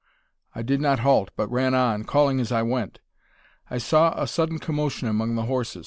I did not halt, but ran on, calling as I went. I saw a sudden commotion among the horses.